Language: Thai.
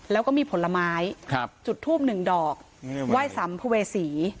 แล้วก็มีผลไม้จุดทูบหนึ่งดอกไหว้สัมภเวษี